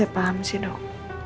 paham sih dok